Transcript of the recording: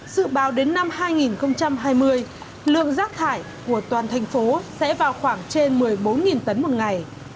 dự báo đến năm hai nghìn hai mươi lượng rác thải của toàn thành phố sẽ vào khoảng trên một mươi bốn tấn một ngày